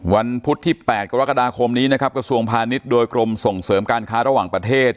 พุธที่๘กรกฎาคมนี้นะครับกระทรวงพาณิชย์โดยกรมส่งเสริมการค้าระหว่างประเทศ